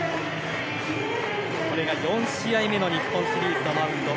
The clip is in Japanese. これが４試合目の日本シリーズのマウンド。